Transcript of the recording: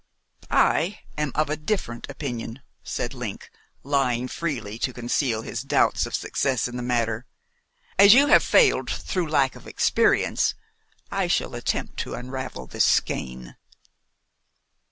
"I am of a different opinion," said Link, lying freely to conceal his doubts of success in the matter. "As you have failed through lack of experience, I shall attempt to unravel this skein."